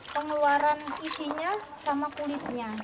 pengeluaran isinya sama kulitnya